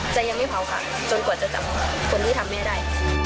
ยังไม่เผาค่ะจนกว่าจะจับคนที่ทำแม่ได้